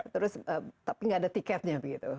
terus tapi nggak ada tiketnya begitu